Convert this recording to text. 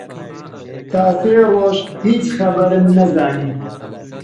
تا سێ ڕۆژ هیچ خەبەرم نەزانی